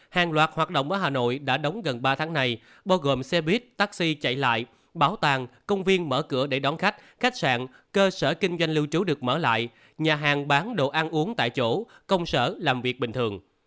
hàng loạt hoạt động ở hà nội đã đóng gần ba tháng này bao gồm xe buýt taxi chạy lại bảo tàng công viên mở cửa để đón khách khách sạn cơ sở kinh doanh lưu trú được mở lại nhà hàng bán đồ ăn uống tại chỗ công sở làm việc bình thường